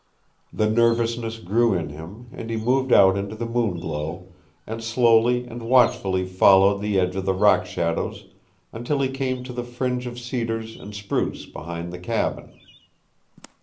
The nervousness grew in him, and he moved out into the moon glow, and slowly and watchfully followed the edge of the rock shadows until he came to the fringe of cedars and spruce behind the cabin.